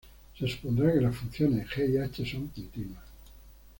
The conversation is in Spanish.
Se supondrá que las funciones g y h son continuas.